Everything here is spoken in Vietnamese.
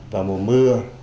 vào mùa mưa